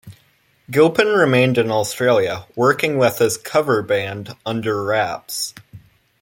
Gilpin remained in Australia, working with his cover band Under Rapz.